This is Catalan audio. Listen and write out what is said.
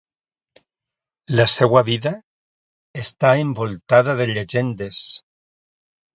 La seva vida està envoltada de llegendes.